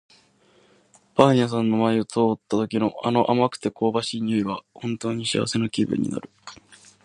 パン屋さんの前を通った時の、あの甘くて香ばしい匂いは本当に幸せな気分になる。